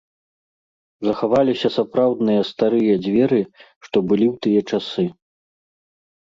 Захаваліся сапраўдныя старыя дзверы, што былі ў тыя часы.